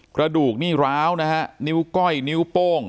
กระดูกนี่ร้าวนะฮะนิ้วก้อยนิ้วโป้ง